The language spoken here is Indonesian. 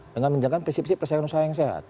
dengan menjalankan persepsi persaingan usaha yang sehat